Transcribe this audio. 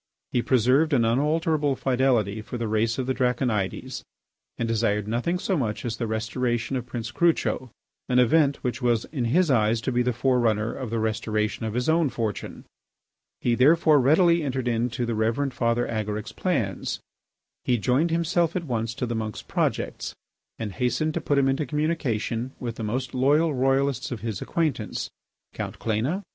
He preserved an unalterable fidelity for the race of the Draconides and desired nothing so much as the restoration of Prince Crucho, an event which was in his eyes to be the fore runner of the restoration of his own fortune. He therefore readily entered into the Reverend Father Agaric's plans. He joined himself at once to the monk's projects, and hastened to put him into communication with the most loyal Royalists of his acquaintance, Count Cléna, M.